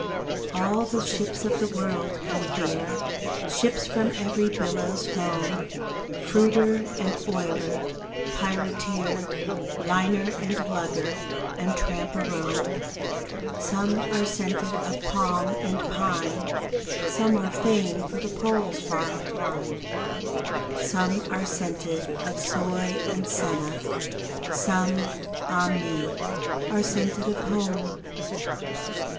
All the ships of the world come here, Ships from every billow's foam; Fruiter and oiler, pirateer, Liner and lugger and tramp a roam. Some are scented of palm and pine, (Some are fain for the Pole's far clime). Some are scented of soy and senna, Some ah me! are scented of home.